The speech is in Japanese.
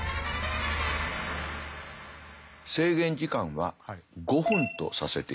制限時間は５分とさせていただきます。